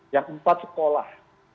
yang empat sekolah